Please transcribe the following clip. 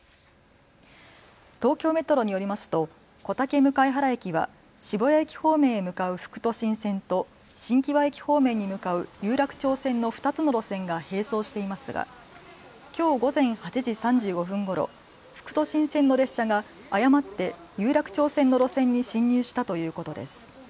東京メトロによりますと小竹向原駅は渋谷駅方面へ向かう副都心線と新木場駅方面に向かう有楽町線の２つの路線が並走していますがきょう午前８時３５分ごろ、副都心線の列車が誤って有楽町線の路線に進入したということです。